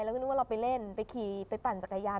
แล้วก็นึกว่าเราไปเล่นไปขี่ไปปั่นจักรยาน